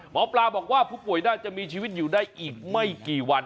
หมอปลาบอกว่าผู้ป่วยน่าจะมีชีวิตอยู่ได้อีกไม่กี่วัน